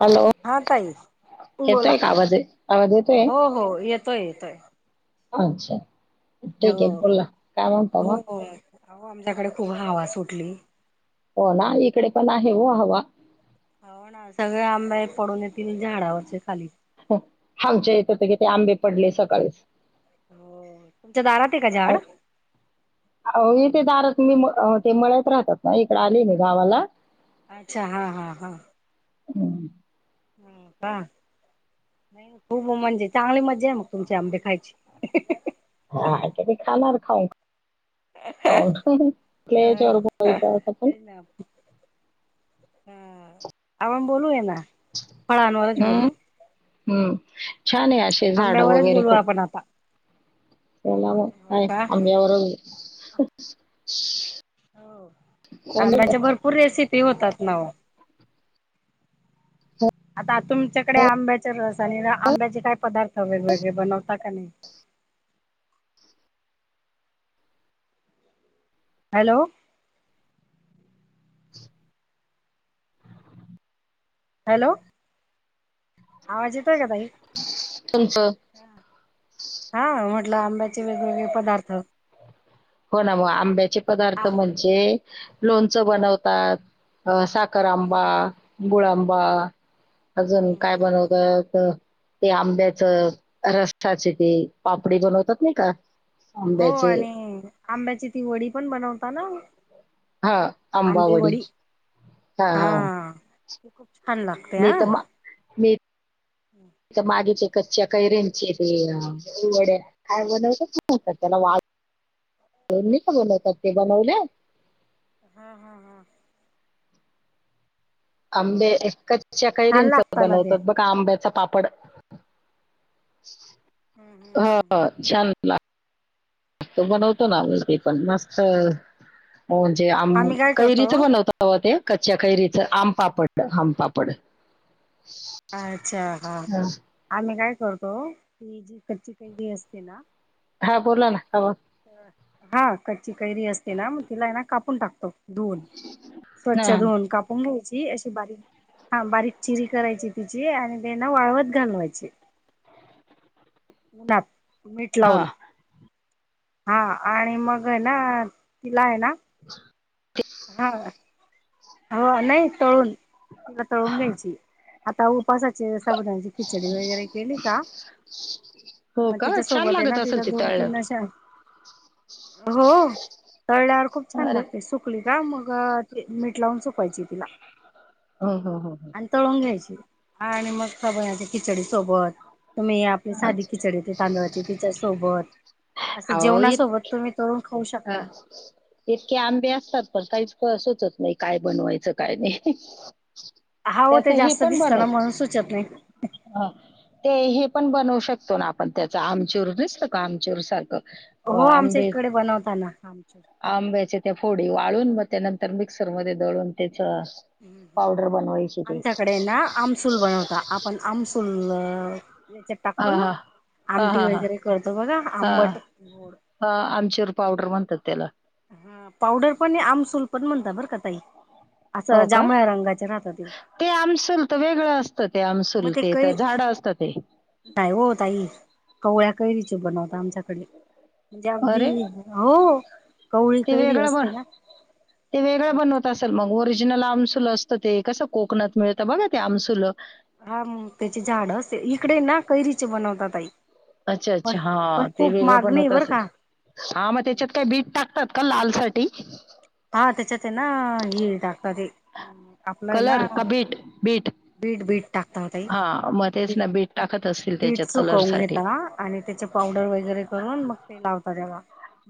Hello हा ताई बोला. येतोय का आवाजे, आवाज येतोय? तय आच्छा! ठीक ये बोला, काय म्हणता मग? च्याकडे खूप हवा सुटली. हो ना, इकडे पण आहे ओ हवा हो ना, सगळे आंबे पडून येतील झाडावरचे खाली ह्, हो आमच्या इथे त किती आंबे पडले सकाळीच हो, तुमच्या दारात ये का झाड? ते दारात तम् मी म मळ्यात राहतात ना इकडे आली इकड गावाला. अच्छा हा हा हा.. हम ह का नाही खूप म्हणजे चांगली मजा आहे मग तुमचे आंबे खायची हं हंं हा [unintelligible] खाणार हा [inaudible] ह [unintelligible] आता आपण ते ना हा आपण बोलवूया ना. फळांनवरच हम्म, बोलू हम्म [inaudible] छान आहे असे झाड आंब्यावरच वगैरे बोलू खूप आपण आता. त्याला हो काय का? आंब्यावर [inaudible] हो आंब्याच्या भरपूर रेसिपी ते होतात ना ओ आता तुमच्याकडे आंब्याच्या रस आणि आंब्याचे काय? पदार्थ वेगवेगळे बनवता का? नाही हॅलो! ! [unintelligible] हॅलो! आवाज येतोय का? ताई तुमचं हा म्हटलं आंब्याचे वेगवेगळे पदार्थ. हो ना मग आंब्याचे पदार्थ म्हणजे.. लोणच बनवतात सा साखरांबा गुळांबा... अजून काय बनवताय असं? ते आंब्याचं रसाचे ते पापडी बनवतात नाही का? हो आंब्याचे आणि आंब्याची ती वडी पण बनवता ना, हा आंबे आंबावडी वडी हा.. हा.. ब [inaudible] छान लागतेय [unintelligible] मागेचे कच्च्या कैरयांची [unintelligible] वडया काय बनवताततात त्याला [unintelligible] का बनवतात ते बनवले. हंम हंम हंम आंबे कच्या छान कैरींच लागत ना ते बनवतात बघा आंब्याचा पाप पड हम्म [inaudible] हम्म हम्म हम्म. ह छान ला तो बनवतो ना मी ते पण मस्त म्हणजे आम आम्ही काय करतो कैरीच बनवता हव ते कच्च्या कैरीच आम पापड आमपापड अच्छा हा आम् काय करतो, की जी कच्ची कैरी असते ना हा बोला ना हवा हा क कैरी असते ना मग तिला ना कापून टाकतो धुून स्वच्छ हा धुून कापून घ्यायची, अशी बारीक हा बारीक चिरी करायची तिची आणि ते ना वाळवत घालवायची उन्हात. मीठ हा लावून. हा आणि मग आहे ना तिला आहे ना हा हो नाही तळून तिला तळून घ्यायची आता उठ ऊपासाची साबुद्यांनाची खिचडी वगैरे केली का हो मग का तिच्या छान सोबत आहे ना लागत तिला असेल ते दोन तीन तळल्यावर अशा हो तळल्यावर खूप छान अरे लागते सुकली का मग ह लावूनचोपायजे तिला हो हो हो हो आणि तळून घ्यायची. आणि मग साबुदाण्याच्या खिचडी सोबत तुम्ही आपली साधी अच्छा किचडी ते तांदळाची तिच्यासोबत असं अहो इत जेवणासोबत तुम्ही तळून खाऊ हा. शकता. इतके आंबे असतात पण काहीच सुचत नाही नाही काय बनवायचं काय नाही. हा हो त्याचं ते हे जास्त पण दिसत बनव ना म्हणून सुचत नाही. हा. ते हे पण बनवू शकतो ना आपण त्याच आमचूर नसत आमचूर सारखं हो आमच्या आंबे इकडे बनवताना आमचूर आंब्याच्या त्या फोडी वाळून मग त्यानंतर मिक्सर मध्ये दळून ते ती आमच्याकडे ना आमसूल बनवता आपण आमसूल याच्या हा टाकतो ना हा हा आमटी हा हा वगैरे करतो बघा हा आंबट गोड ह आमचूर पावडर म्हणत्यात तेला [unintelligible] हा पावडर पण आमसूल पण म्हणता बरं का ताई. हो असं का जांभळ्या रंगाचे राहतात ते आमसूल तर वेगळं असतात, ते मग आमसुल ते तर काही झाड असत ते नाही हो ताई कवळ्या कैरीची बनवता आमच्याकडे म्हणजे अरे अगदी हो कवळी ते कैरी वेगळं असते ना बनते वेगळ बनवत असेल मग ओरिजनल ओरिजनल आमसूल असतं ते कसं कोकणात मिळतं बघा ते आमसुल हा मग त्याचे झाड असेल इकडे ना कैरीचे बनवतात ताई अच्छा अच्छा हा पण ते खूप वेगळं मागणी बनवत बरं असेल का हा मग त्याच्यात काय बीट टाकतात. का लाल साठी हा त्याच्यात आहे ना हे टाकतात ते आपलं ना कलर का बीट बीट बीट बीट टाकता होता हां, मग तेच ताई ना बीट टाकत असतील बीट त्याच्यात सुकवून कलरसाठी. घेता आणि त्याचे पावडर वगैरे करून मग ते लावतात. कर मग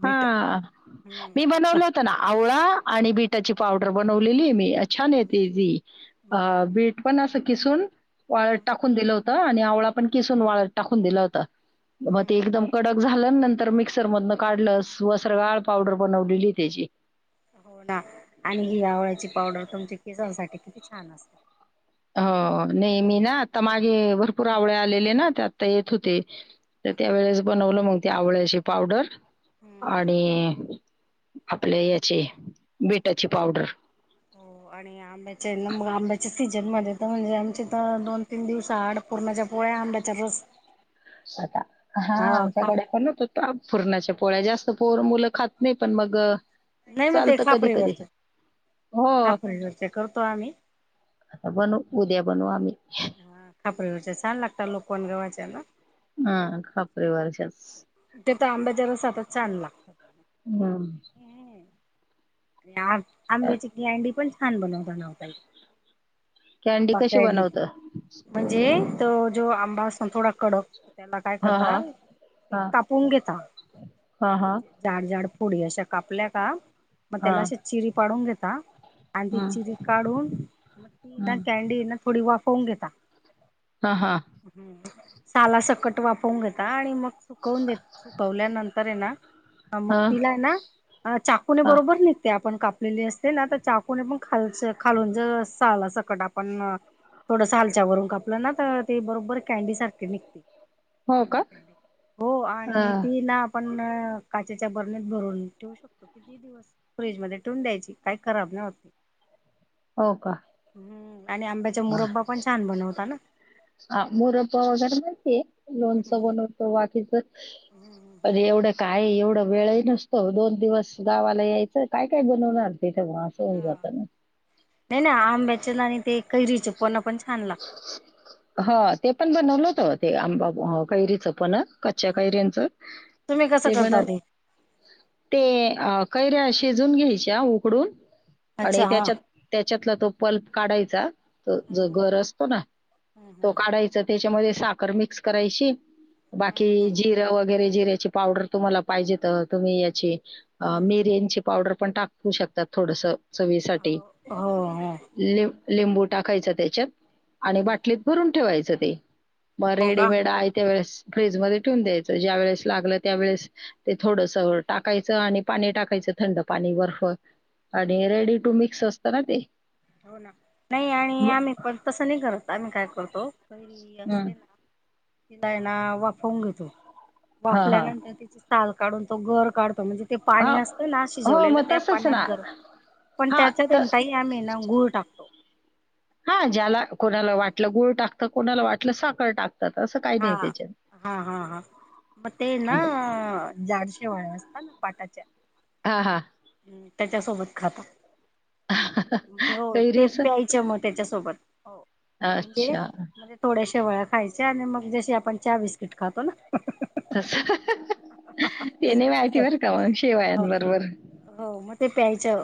हा मी बनवलं होत ना आवळा आणि बीटाची पावडर बनवलेली आहे मी छान येत ती अ हम्म बीट पण अस किसून वाळत हम्म टाकून दिलं होत. आणि आवळा पण किसून वाळून टाकून दिला होता. मग ते हम्म एकदम कडक झाल. झाल नंतर मिक्सर मधून काढल वस्त्रगाळ पावडर बनवलेली त्याची हो ना आणि हि आवळ्याची पावडर तुमच्या केसांसाठी किती छान असते. हो नाही मी ना आता मागे भरपूर आवळे आलेले ना ते आता येत होते तर त्यावेेळेस बनवलं मग ते आवळ्याची पावडर हम्म हम्म आणि आपल्या याची बीटाची पावडर. हो आणि आ म्हणजे आमचे तर दोन तीन दिवस आड पूरणाच्या पोळ्या आंब्याच्या रस आता हा आमच्याकडे पण होत. अ पुरणाच्या पोळ्या जास्त पोर मुलं खात नाही पण मग नाही मग ते चालत कधी कधी खापरीवरचे हो खापरीवरचे करतो आम्ही आता बनू उद्या बनू आम्ही हा छान लागतात लोकवाण गव्हाचा ना हा खापरे वार त्या तर आंबाच्या रसात च छान हम्म लागतना या आंबे चिकली अंडी पण [unintelligible] छान बनवता ना ताई. कॅंडी आंबा कशी कँडी बनवता. म्हणजे तो जो आंबा असतो ना थोडा कडक. त्याला काय हा करता हा ते हा कापून घेता हा हा झाडजाड फोडी अशा. कापल्या का. मग हा त्यला अशी चिरी पाडून घेत. का. आधी हम्म चिरी काढून मग ती ना हम्म कॅंडी ना. थोडी वाफवून घेता. हा हा हम्म. साला सकट वापवून घेता आणि मग. सुकवून देत सुकवल्यानंन. खरे ना. हा मग तिलाय ना आ चाकुने हा बरोबर. ते आपण कापलेली अस. ते ना आता चाकून पण खालच खालून जल अस. कडा आपण थोडस हालच्या वरून कापलं ना तर ते बरोबर कॅंडी सारखे निघते. हो का आंबाेटे हो हा आणि तीला आपण. पण काचेच्या बरणीत भरून ठेवू शकतो किती दिवस. फ्रीज मध्ये ठेऊन द्यायची काही खराब नाही होत. हो का. आणि आंब्याचा मुरब्बा पण छान बनवता ना अ मुरब्बा वगैरे माहितीय. लोणचं बनवतो बाकीच. अरे एवढ काय एवढं वेळही नसतो दोन दिवस गावाला यायचं काय काय बनवणार. ते तर असं होऊन जातं ना [unintelligible] नाही नाही आंब्याच्या आणि ते. कैरीचे पण पण छान लागतं हा ते पण बनवलं होत आंबा कैरीचं. फणस कच्च्या कैऱ्यांचं तुम्ही कसं ते करता बनव ते ते. कैऱ्या शिजून घ्यायच्या उकडून. आणि अच्छा हा त्याच्यात त्याच्यातला तो पल्प काढायचा. च्या. जो हो गर असतो ना तो काढायचा त्यच्यामध्ये. साखर मिक्स करायची. बाकी जिरा वग जिऱ्याची पावडर तुम्हाला पाहिजेत, तुम्ही याची- मिरेनची पावडर, पण टाकू शकतात थोडसं चवीसाठी. हो लिंबू, टाकायचं त्याच्यात- आणि बाटलीत भरून ठेवायच. [unintelligible] मग हो रेडीमेड आयत्या वेळेस फ्रीजमध्ये ठेऊून द्यायचं. ज्यावेेळेस लागलं त्यावेळेस ते थोडंस टाकायचं आणि पाणी टाकायचं थंड पाणी बर्फ आणि रेडी टू मिक्स अस असत ना ते. हो, ना. नाही आणि मग आम्ही पण तसं नाही करत, आम्ही का- करतो. कैरी हं. असते ना, कैरीला ना वाफवून घेेतो. हां, हां. वाफल्यानंतर तिची साल काढून तो गर काढ म्हणजे ते पाणी हां. असत ना, हो, शिजवलेलं मग त्या तसंच पाण्यात ना. गर पण त हां, त्याच्यात आहे तर ना ताई गुळ टाकतो. हा ज्याला, कोणाला वाटलं गुळ टाकतं. कोणाला वाटलं साख टाक हा, हा, हा, हा, म तेना जड शिवाळ्या असत ना पाटाच्या हा, हां, त्याच्यासोबत खाता- हो, ते कैरीचं? प्यायचं, मग त्याच्यासोबत हो, म्हणजे अच्छा. म्हणजे थोड्याश वेयात खायचे आणि मग जशी आपण चहा बिस्किट खातो ना- त [unintelligible] ते नाही माहिती तसं बर का? मग शेवायां बरोबर. प्यायच्या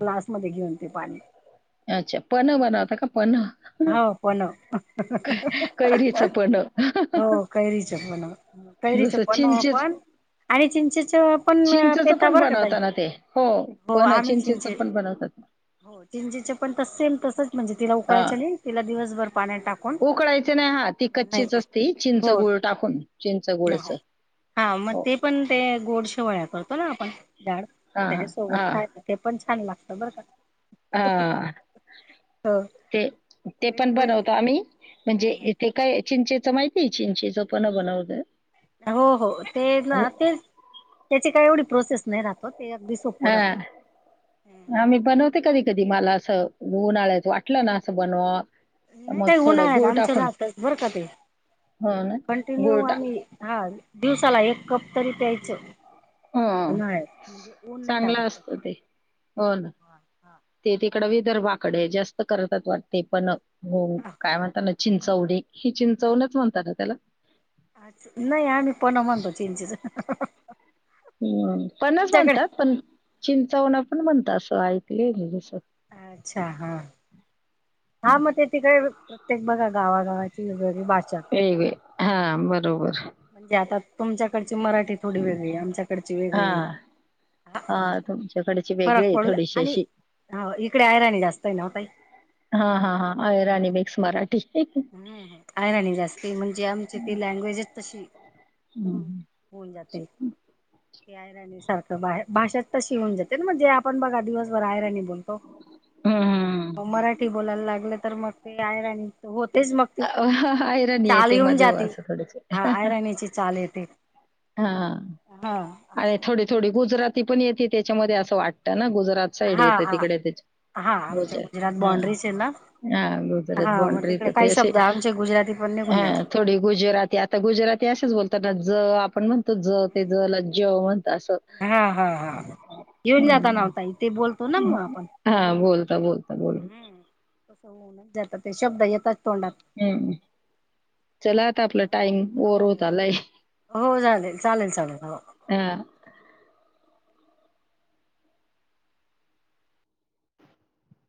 ग्लासमध्येध्ये घेऊन ते पाणी. अच्छा पन्ह बनवता का पन्ह हो पण कैरीच पन्ह हो कैरीच पण कैरीच जस पण चिंचेच पण आणि चिंचेच च पण चिंचेचं पिता पण बर का ताई बनवता ना ते? हो. हो पन्ह आम्ही चिंचें चिंचेचं पण बनवतात. हो चिंचेंचे पण सेम तस म्हणजे तिला उकळायंच आणि तिला दिवसभर पाण्यात टाकून उकळायचे नाही हा ती नाही कच्चीच असते. चिंच हो गुळ टाकून चिंच गुळच हा मग हो. ते पण ते गोड शेवळ्या करत हा ना आपण झाड हां, त्याच्या हां. सोबत खायल ते पण छान लागतं बरं का. ह हो ते ते पण वेगवेगळे बनवतो आम्ही म्हणजे हा हा इथे काय चिंचें माहित नाही चिंचेंच पन्ह बनवत. हो हो ते ना तेज ते ते काही एवढी प्रोसेस नाही राहत ओ हा हा मी बनवते कधी कधी कीं मला असं उन्हाळ्यात वाटलं ना असं बनवावा नाही ताई उन्हाळ्यात आमचं राहतच बर का ते हो ना. कंटिन्यू गूळ टा आम्ही दिवसाला एक कप तरी प्यायचं. हो उन्हाळ्यात म्हणजे ऊन नाही लागत चांगलं असत त्याच्याने ते हो ना ते तिकड वि दर्भाकडे जास्त करतात वाटते पन्ह. हो काय म्हणता लय चिंचवडी. ही चिंचवणच म्हणता ना त्याला अच् नाही आम्ही पन्ह म्हणतो चिंचेच. हम्म पन्हच तुमच्याकडे म्हणतात पण चिंचावण पण म्हणता असं ऐकलय मी अच्छा हा हा मग ते तिक प्रत्येक बघा गावागावात एवे हा बरोबर तुमच्याकडे ती मराठी थोडी वेगळी आमच्याकडची हा वेगळी हा तुमच्याकडची वेगळी फरक आहे पडू थोडीशी आणि अशी इकडे आहेयराणी जास्त आहे ना ओ ताई. हा हा [unintelligible] मिक्स मराठी [unintelligible] ते म्हणजे आमची ती लँग्वेजच तशी हम्म होऊन जाते. [unintelligible] सारखं बा भाषाच त श होन जाते ना म्हणजे आपण बघा दिवसभर आहेयराणी बोल आणि हम्म मग मराठी बोलायला लागलं. तर मग ते आहे आणि हो. तेच मग त अ, अहिराणी चाल येते येऊन मध्ये जाते असं थोडीशी हा आयराणीची चाल येते. हा. हा अर थोडी थोडी गुजराती पण ये त्याच्यामध्ये असं वाटतं ना गुजात साड हा येत हा तिकडे हा आमच्या गुजरात ह बाॉंड्रीज आहे ना हा गुजरात हा मग बांड्री तिकडे काही ते शब्द आमचे गुजराती पण निघून जातात थोडी गुजराती आता गुजरातीच ब आपण म्हण तुझ तेज हा हा हा घेऊन जाता हं. नव्हता इथे बोलतो ना मग आपण बोल. ता बोलता बोल हो जात ते शब्द येत हम्म चला आता, आपला टाईम ओव्हर हो होत आलाय हो हो चालेल चालेल चालेल हो हा.